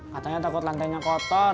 katanya takut lantainya kotor